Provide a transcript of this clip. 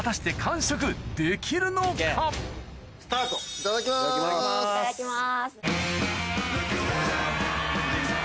いただきます。